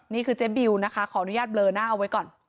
เจ๊บิวนะคะขออนุญาตเบลอหน้าเอาไว้ก่อน